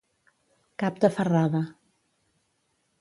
Cap de ferrada.